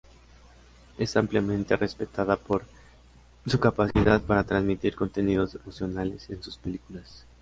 Es ampliamente respetada por su capacidad para transmitir contenidos emocionales en sus películas.